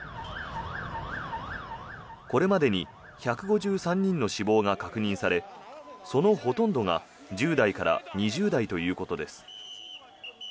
これまでに１５３人の死亡が確認されそのほとんどが１０代から２０代ということです。